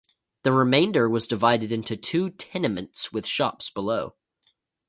The remainder was divided into two tenements with shops below.